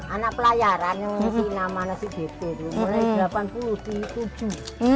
anak pelayaran yang nama nasi bt dulu